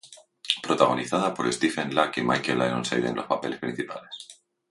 Protagonizada por Stephen Lack y Michael Ironside en los papeles principales.